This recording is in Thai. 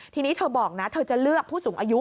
ทีนี้เธอบอกนะเธอจะเลือกผู้สูงอายุ